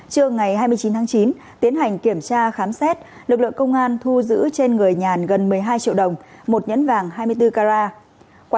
trưa ngày hai mươi chín tháng chín tiến hành kiểm tra khám xét lực lượng công an thu giữ trên người nhàn gần một mươi hai triệu đồng một nhẫn vàng hai mươi bốn carat